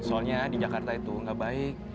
soalnya di jakarta itu nggak baik